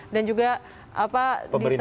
dan juga apa disana pemerintah